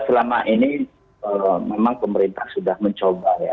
selama ini memang pemerintah sudah mencoba ya